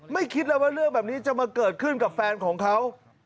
คิดแล้วว่าเรื่องแบบนี้จะมาเกิดขึ้นกับแฟนของเขา